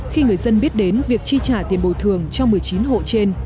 khi người dân biết đến việc chi trả tiền bồi thường cho một mươi chín hộ trên